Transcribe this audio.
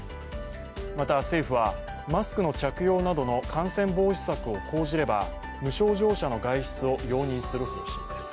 また、政府はマスクの着用などの感染防止策を講じれば無症状者の外出を容認する方針です。